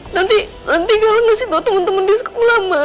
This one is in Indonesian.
nanti nanti galang ngasih tau temen temen di sekolah ma